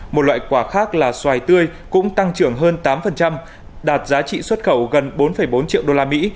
một loại quả khác là xoài tươi cũng tăng trưởng hơn tám đạt giá trị xuất khẩu gần bốn bốn triệu đô la mỹ